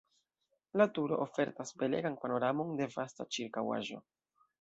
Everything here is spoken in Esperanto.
La turo ofertas belegan panoramon de vasta ĉirkaŭaĵo.